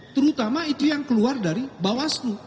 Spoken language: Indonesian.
terutama itu yang keluar dari bawasnu